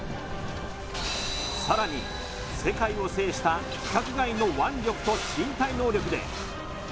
さらに世界を制した規格外の腕力と身体能力でＳＡＳＵＫＥ